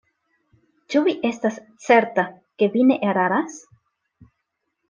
Ĉu vi estas certa, ke vi ne eraras?